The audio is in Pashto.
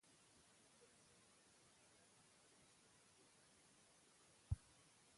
ازادي راډیو د اقتصاد په اړه د هر اړخیز پوښښ ژمنه کړې.